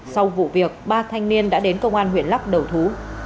sau vụ việc ba thanh niên đã đến công an huyện lắc đầu thú